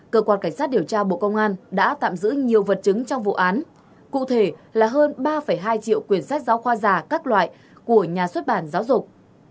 cơ quan cảnh sát điều tra bộ công an đã tạm giữ nhiều vật chứng trong vụ án cụ thể là hơn ba hai triệu quyền sách giáo khoa giả các loại của nhà xuất bản giáo dục